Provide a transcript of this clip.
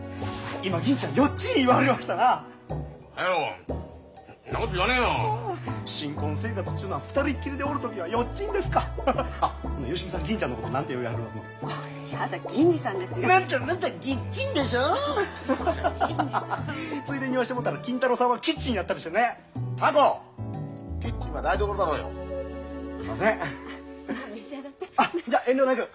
あっじゃっ遠慮なく。